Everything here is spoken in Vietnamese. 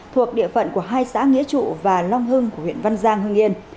thuộc địa phận của hai xã nghĩa trụ và long hưng của huyện văn giang hưng yên